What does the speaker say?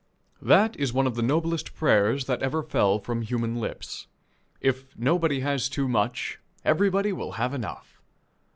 That is one of the noblest prayers that ever fell from human lips. If nobody has too much, everybody will have enough!